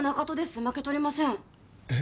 負けとりませんえっ？